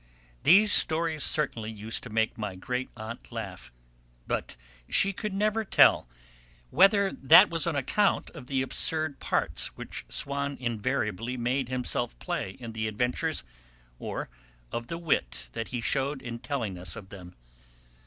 These stories certainly used to make my great aunt laugh, but she could never tell whether that was on account of the absurd parts which Swann invariably made himself play in the adventures, or of the wit that he shewed in telling us of them.